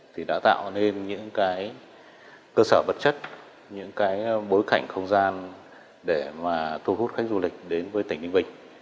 thì đã tạo nên những cơ sở vật chất những bối cảnh không gian để thu hút khách du lịch đến với tỉnh ninh bình